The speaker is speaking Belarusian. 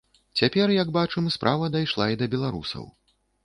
Цяпер, як бачым, справа дайшла і да беларусаў.